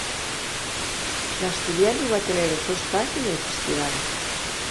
L'asturianu va tener el so espaciu nel Festival.